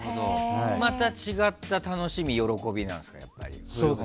また違った楽しみ、喜びなんですか？